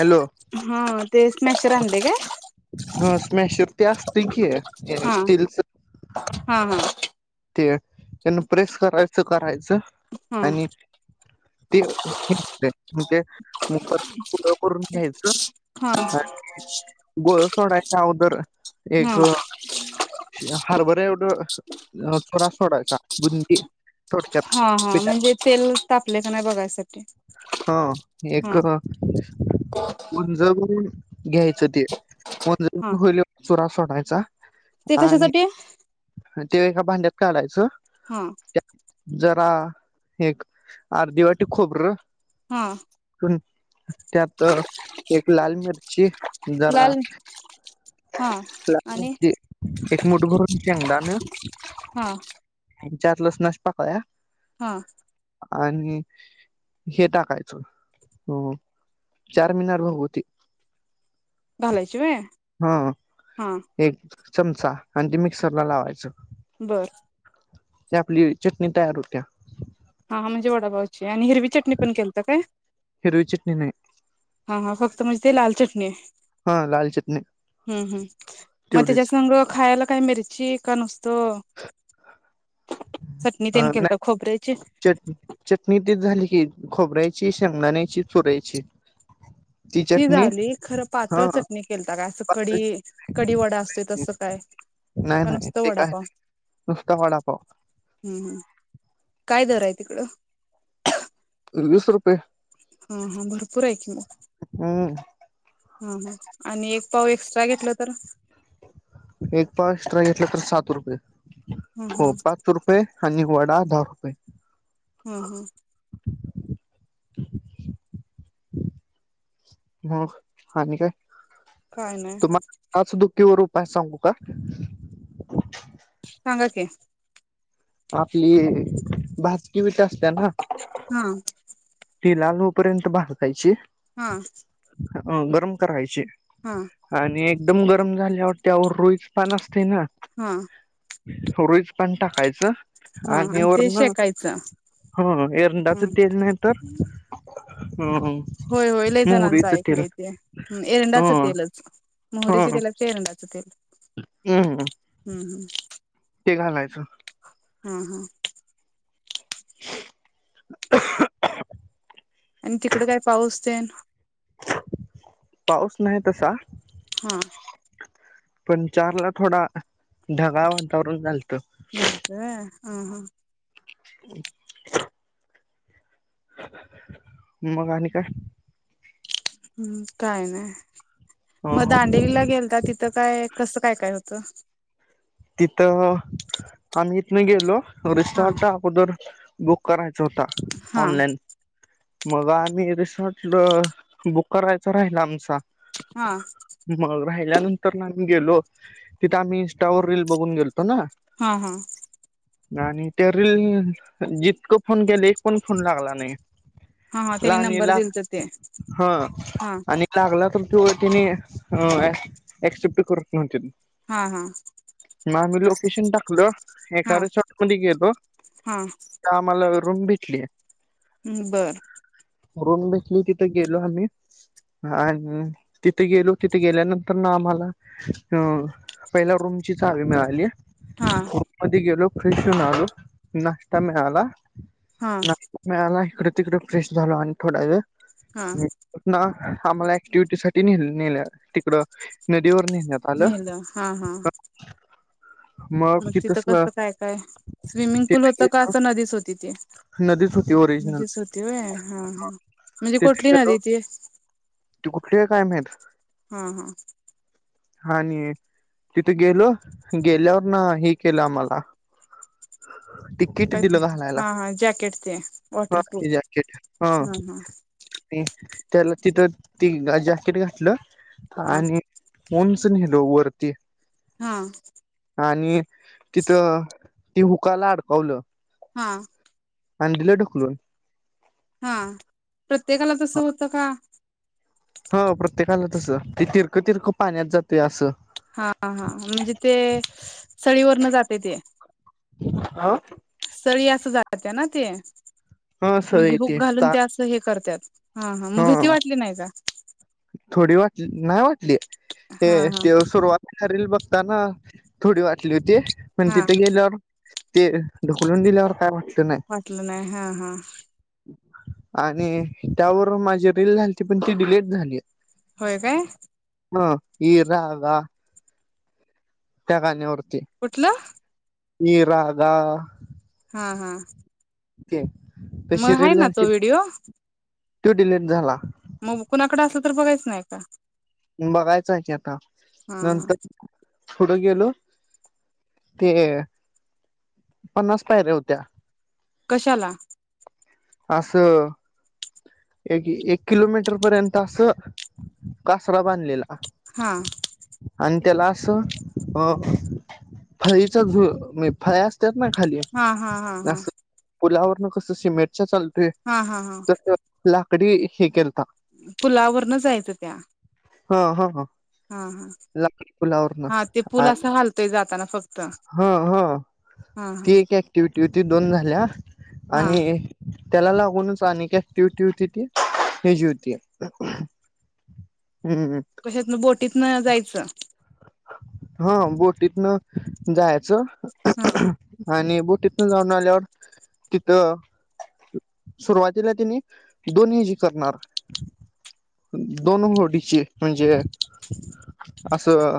Hello हा ते smasher आणलय काय? हा स्मॅशर ते असतय की, हा स्टीलच हा हा. ते त्यांन प्रेस करायचं करायचं हा आणि ते ते [unintelligible] गोळं करून घ्यायच हा आणि गोळं सोडायच्या अगोदर हा एक हरभऱ्या एवढं अ चुरा सोडायचा बून हा हा म्हणजे तेल तापले का नाही बघायसाठी. हा हा एक गुंजा भरून घ्यायचं ते हा होले चुरा सोडायचा ते आणि कशासाठी? ते एका भांड्यात काढायचं हा त्या जरा एक अर्धीवाटी खोबरं हा त्यात एक लाल मिरची जरा लाल हा आणि एक मूठ भरून शेंगदाणं हा आणि चार लसणाच्या पाकळ्या हा आणि हे टाकायचं अं चार मिनार भगवती घालायची व्हय हा हा एक चमचा आणि ते मिक्सरला लावायचं बरं त्या आपली चटणी तयार होत्या हा म्हणजे वडापावची आणि हिरवी चटणी पण केलतं काय? हिरवी चटणी नाही. हा हा फक्त म्हणजे ते लाल चटणी हा लाल चटणी हम्म हम्म्म्म मग तेवढीच त्याच्यासंग खायला काय मिर ची का नुसत चटणी तेन केलता खोबऱ्याची चट चटणी ती झाली की खोबऱ्याची, शेंगदाण्याची, चुऱ्याची ती झाली खरं पातळ हा चटणी केलता काय असं पातळ कडी कडी वडा असतोय चटणी. तसं काय नाही का नाही नुसतं ते काय वडापाव नाही नुसत वडापाव हम्म हम्म काय दर हाय तिकडं दर वीस रुपये हा हा भरपूर आहे की मग हम्म हा हा आणि एक पाव एक्स्ट्रा घेतलं तर एक पाव एक्सट्रा घेतला तर सात रुपये ह ह हो पाच रुपये रुपये आणि वडा दहा रुपये हम् हम् मग आणि काय काय नाय टाच दुःखीवर उपाय सांगू का सांगा की आपली भाजकी विट असत्या ना हा ती लाल हो पर्यंत भाजकायची हा अ गरम करायची हा आणि एकदम गरम झाल्यावर त्यावर रुईच पान असते ना हा रोईच पान टाकायचं. हा आणि ते वरण शेकायचं हो एरंडाचे हम्म तेल नाही तर ह होय होय लय जणांचं ऐकलंय ते ह एरंडाचं तेलच मोहरीच तेल की एरंडाचं तेल हम् हम्म हम्म ते घालायचं हा हा [inaudible] आणि तिकडे काय पाऊस तेन पाऊस नाही तसा हा पण चारला थोडा ढगाळ वातावरण झालतं. होय काय हा हा [unintelligible] मग आणि काय हम्म काय नाही अ मग दांडेलीला गेलता तिथं काय कसं काय काय होतं. तिथं आम्ही इथन गेलो हा रिसॉर्ट ला अगोदर बुक करायचा होता हा ऑनलाईन मग आम्ही रिसॉर्ट बुक करायचा राहीला आमचा हा मग राहिल्यानंतर ना आम्ही गेलो तिथं आम्ही इंस्टावर रील बघून गेलतो ना हा हा आणि त्या रील जितकं फोन केले एक पण फोन लागला नाही. हा हा त्यांनी लांनी नंबर ला दिलत ते हा हा आणि लागला तर तो तिने हम्म ऍक्सेप्ट करत नव्हती. हा हा. मग आम्ही लोकेशन टाकलं एका हा रिसॉर्टमध्ये गेलो हा त्या आम्हाला रूम भेटली. हम्म बरं. रूम भेटली तिथं गेलो आम्ही आणि तिथे गेलो तिथे गेल्यानंतर ना आम्हाला अ पहिला रूम ची चावी मिळाली, हा रूम मध्ये गेलो फ्रेश होऊन आलो, नाश्ता मिळाला हा नाश्ता मिळाला, हिकडं तिकडं फ्रेश झालो आणि थोडा वेळ हा ना आम्हाला ऍक्टिव्हटी साठी ने नेल तिकडं नदीवर नेण्यात आलं. नेलं हा हा. [inaudible] मग तिथं कसं काय काय? स्विमिंग पूल तिथे होत का गेलो असं नदीच होती ती? नदीच होती वरी. नदीचं होती व्हय, हा हा म्हणजे तिथे कोठली गेलो नदी ती? ती कुठली हाय काय माहित? हा हा. आणि तिथं गेलो गेल्यावर ना हे केलं आम्हाला [inaudible] तिकीट काय ते, दिलं घालायला हा हा, जॅकेट ते हा वॉटरप्रूफ, ते जॅकेट हा हा. आणि त्याला तिथं ति जॅकेट घातलं हा आणि उंच नेलं वरती. हा. आणि तिथं ती हुकाला अडकावलं. हा. आण दिल ढकलून. हा प्रत्येकाला तसं होतं का? हो प्रत्येकाला तसं ते तिरकं तिरकं पाण्यात जातय असं. हा हा म्हणजे ते सळीवरन जाते ती. हा सळी अस जाते ना ते, म्हणजे सळी हुक ते घालून ता त्या अस हे करत्यात ह हा मग भीती वाटली नाही का? थोडी वाट नाही वाटली हे हा हा ते सुरुवात रिल बघताना थोडी वाटली होती पण हा तिथं गेल्यावर ते ढकलून दिल्यावर काय वाटलं नाही. वाटलं नाही हा हा. आणि त्यावरून माझी रील झालती पण ती डिलेट झाली. होय काय? ह ये राहाग त्या गाण्यावरती. कुठलं? मी रागा हा हा. ते मग तशी आहे रिल ना तो झालती, व्हिडिओ तो डिलेट झाला. मग कुणाकडे असलं तर बघायचं नाही का? बघायचं आहे की आता, हा हा नंतर पुढं गेलो, ते पन्नास पायऱ्या होत्या. कशाला? अस एक एक किलोमीटर पर्यंत असं कासरा बांधलेला. हा. आणि त्याला असं अ फळीचा झु म्हणजे फळ्या असत्यात ना खाली हा हा हा हा अस पुलावरन कसं सिमेंटच्या चालतय हा हा हा तर लाकडी हे केलंता पुलावर न जायचं त्या हा हा हा. हा हा लाकडी पुुलावरन [unintelligible] हा ते पूल असं हालतोय जाताना फक्त हा हा. हा ती हा एक ऍक्टिव्हटी होती, दोन झाल्या हा आणि त्याला लागूनच आणि काय ती होतीती ह्याजी होती हम्म हम्म कशातन बोटीत न जायचं हा बोटीतन जायचं हा. आणि बोटीतन जाऊन आल्यावर तिथं सुरुवातीला तिने दोन्ही जी करणार दोन होडीचे म्हणजे असं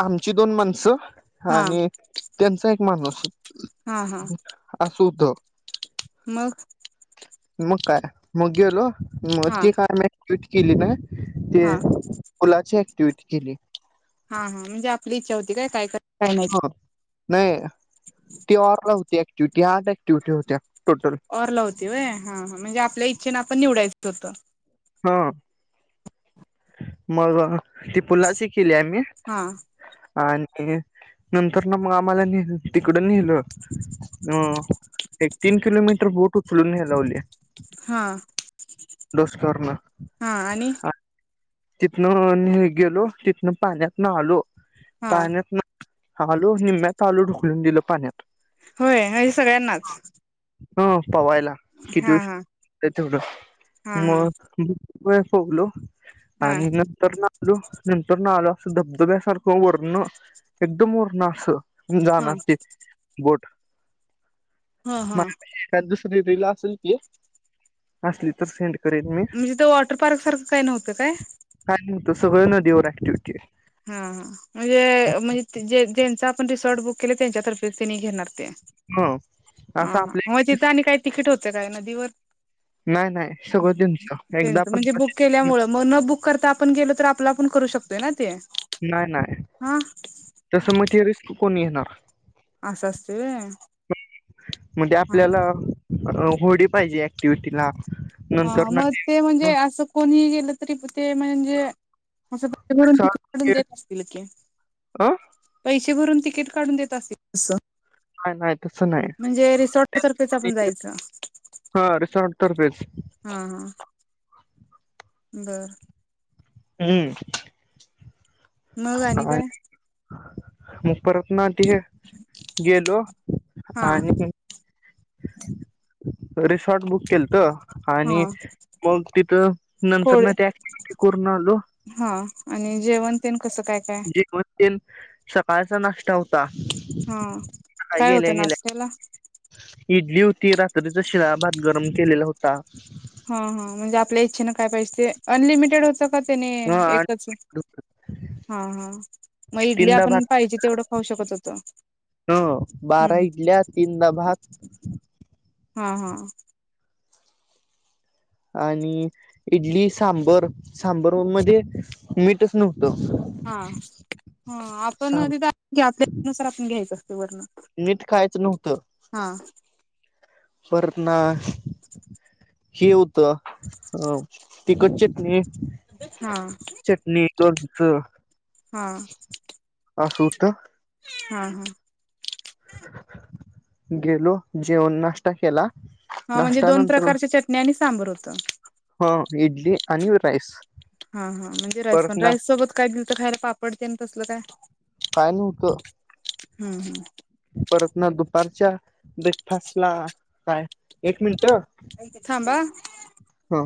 आमची दोन माणसं हा आणि त्यांचा एक माणूस हा हा असं होतं मग मग काय मग गेलो मग हा ती [unintelligible] केली ना ते हा पूलाची ऍक्टिव्हटी केली. हा हा म्हणजे आपली इच्छा होती काय काय कर हा नाही ती ऑरला होती ऍक्टिव्हटी आठ ऍक्टिव्हटी होत्या टोटल ऑरला होती व्हय हा हा म्हणजे आपल्या इच्छेने आपण निवडायचं होतं. हा मग ती पूलाची केली आम्ही. हा. आणखीन नंतर न आम्हाला ने तिकड नेलं अह एक तीन किलोमीटर बोट उचलून न्यायला लावली. हा. स्टोअरनं हां आणि तिथनं गेलो तिथनं पाण्यात अलो हा पाण्यातन आलो निम्म्यातं आलो ढुकलून दिलं पाण्यात होय हे सगळ्यांनाच हा पवायला किती हा हा उशिर होतंय हा तेवढं हा मग [inaudible] हा आणि नंतर ना लो नंतर ना आलो असं धबधब्यासारखं वरन एकदम वरन असं हा जाणार ते बोट हा म हा त्यातं दुसरी रिल असेल की असली तर सेंड करेन मी म्हणजे तीत वॉटर पार्क सारखं काय नव्हतं काय? काय नव्हतं सगळं नदीवर ऍक्टिव्हटी होती. हा म्हणजे म्हणजे जे-ज्यांचा आपण रिसॉर्ट बुक केलं त्यांच्यातर्फेच त्यांनी घेणार ते. हं असं आपल्या म इकडे तिथं आणि काय तिकीट होतं काय नदीवर? नाही नाही सगळं तेनचं एकदा आपण [unintelligible] म न बुक करता आपण गेलो तर आपलं आपण करू शकतोय ना ते. नाय नाय. हा! तसं मग ते रिस्क कोण येणार. असं असतंय व्हय म ते हा आपल्याला होडी पाहिजे ऍक्टिव्हटीला. हा म ते म्हणजे असं कोणी गेलं तरी प ते म्हणजे अस. पैसे भरून तिकिट काढून देत असतील की. अ पैसे भरून तिकीट काढून देत असती नाही नाही तसं म्हणजे रिसॉर्ट सारखचं नाही आपण जायचं. हा रिसॉर्ट तर्फेच हा हा! बरं! हूं! मग आणि काय. मग परत ना तिगे गेलो हा आणि रिसॉर्ट बुक केलतं. आणि हा मग तिथं नंतर होय ना त्या ऍक्टिव्हिटी करून आलो. हा आणि जेवण तेन कसं काय? काय जेवन तेनं सकाळचा नाष्टा हो हा काय होतं गेल्या नाष्ट्या ला? इडली होती, रात्रीचा शिळा भात गरम केलेला होता. ह ह म्हणजे आपल्या इच्छेनं काय पाहिजे ते, अनलिमिटेड होतं? का तेने ह एकच. आणि हा हा म इडली तीनदा आपण भात पाहिजे तेवढं खाऊ शकत होतो. हो बारा हम्म इडल्या तीनदा भाग. हा हा! आणि इडली सांबर, सांबर मध्ये मीठच नव्हतं. हा हा आपण सां तिथ [unintelligible] आपल्यानुसार आपण घ्यायचं असते वरनं मीठ कायचं नव्हतं. हा! परत ना. [inaudible] हे होतं अ तिकट चटणी हा! चटणी, लोणचं. हा असं होतं हा हा! गेलो जेवन नाष्टा केला. हा म्हणजे नाश्ता दोन नंतर प्रकारच्या चटणी, आणि सांबर होतं. हो इडली आणि राईस. हा हा म्हणजे राईस प परत ना राईस सोबत काय बिल तर खायला पापडते आणि तसलं काय. काय नव्हतं. हम्म हम्म परत ना दुपारच्या ब्रेकफास्ट ला काय एक मिनट. थांबा. हा.